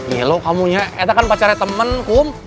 iya loh kamu nyetakkan pacarnya temen kum